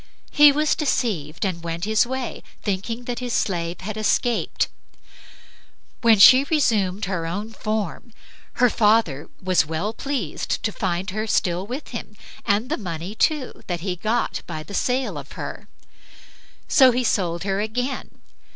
He was deceived and went his way, thinking his slave had escaped. Then she resumed her own form. Her father was well pleased to find her still with him, and the money too that he got by the sale of her; so he sold her again.